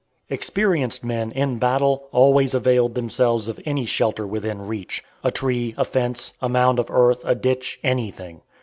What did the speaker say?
Experienced men, in battle, always availed themselves of any shelter within reach. A tree, a fence, a mound of earth, a ditch, anything.